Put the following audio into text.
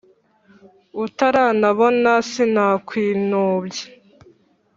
utaranabona sinakwinubye